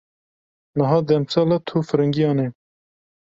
Niha demsala tûfiringiyan e.